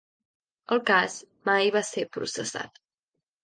El cas mai va ser processat.